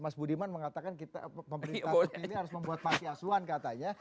mas budiman mengatakan kita pemerintah seperti ini harus membuat panti asuhan katanya